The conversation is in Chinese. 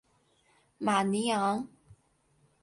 马尼昂。